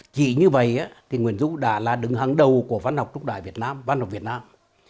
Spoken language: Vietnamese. chỉ như vậy thì nguyễn du đã là đứng hàng đầu của văn học trung đại việt nam văn học việt nam